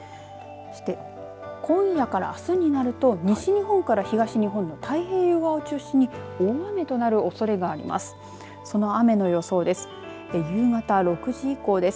そして、今夜からあすになると西日本から東日本太平洋側を中心に大雨となるおそれがあります。